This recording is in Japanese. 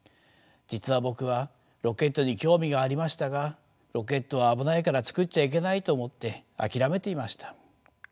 実は僕はロケットに興味がありましたがロケットは危ないから作っちゃいけないと思って諦めていました。